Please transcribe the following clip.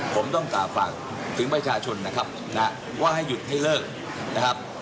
ผมต้องกล่าวฝากถึงประชาชนนะครับนะว่าให้หยุดให้เลิกนะครับ